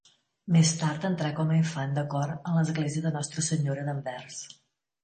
Més tard entrà com a infant de cor en l'església de Nostra Senyora d'Anvers.